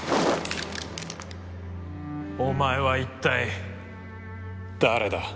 お前は一体誰だ？